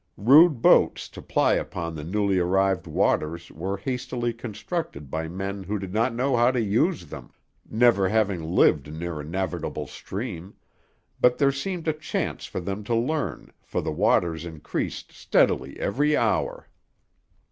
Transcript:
Rude boats to ply upon the newly arrived waters were hastily constructed by men who did not know how to use them, never having lived near a navigable stream, but there seemed a chance for them to learn, for the waters increased steadily every hour.